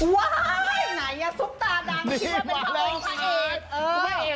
ว้ายไหนละสุปตาดังเป็นนักต้องเอก